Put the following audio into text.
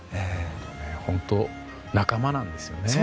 本当、仲間なんですよね。